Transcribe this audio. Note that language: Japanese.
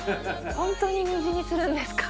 ホントに虹にするんですか？